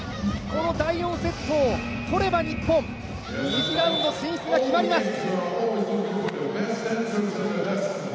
この第４セットを取れば、日本、２次ラウンド進出が決まります。